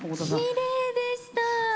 きれいでした！